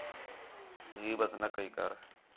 غیبت نہ کَئی کر